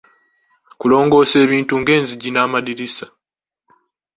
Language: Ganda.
Kulongoosa ebintu ng'enzijji n'amadirisa.